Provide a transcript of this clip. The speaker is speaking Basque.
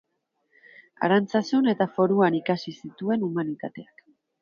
Arantzazun eta Foruan ikasi zituen Humanitateak.